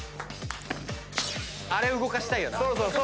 あれ動かしたいよな。